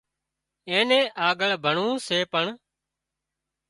اين نين آڳۯ ڀڻوون سي پر